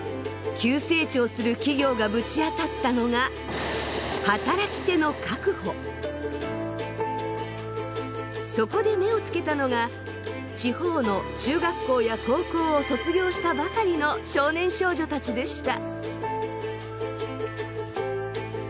急成長する企業がぶち当たったのがそこで目を付けたのが地方の中学校や高校を卒業したばかりの少年少女たちでした。